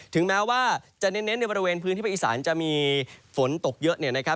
ถึงแม้ว่าจะเน้นในบริเวณพื้นที่ไปอิสานจะมีฝนตกเยอะ